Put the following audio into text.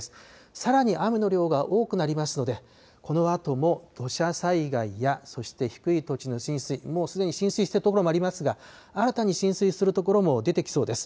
さらに雨の量が多くなりますので、このあとも土砂災害やそして低い土地の浸水、もうすでに浸水している所もありますが、新たに浸水する所も出てきそうです。